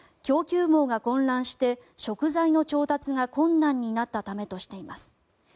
供給網が混乱して、食材の調達が困難になったためとしています。